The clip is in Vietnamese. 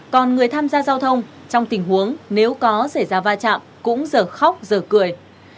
còn người tham gia giao thông trong tình huống nếu có xảy ra va chạm cũng giờ khóc giờ cười